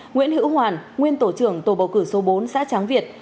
nguyễn hữu hoàn nguyên tổ trưởng tổ bầu cử số bốn xã tráng việt